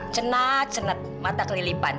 cenat cenat mata kelilipan